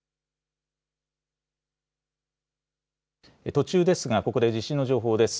途中ですがここで地震の情報です。